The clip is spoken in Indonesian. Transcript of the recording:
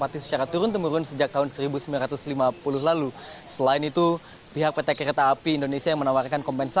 terima kasih pak